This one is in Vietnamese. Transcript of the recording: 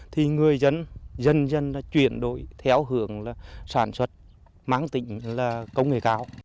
thì người dân dân dân đã chuyển đổi theo hướng sản xuất máng tỉnh công nghệ cao